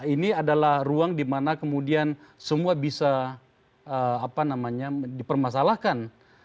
ini adalah ruang di mana kemudian semua bisa dipermasalahkan